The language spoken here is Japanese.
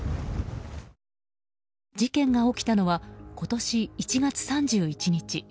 事件が起きたのは今年１月３１日。